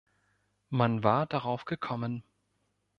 Man war darauf gekommen.